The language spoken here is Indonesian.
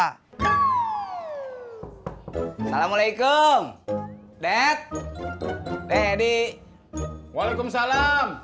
assalamualaikum dad daddy waalaikumsalam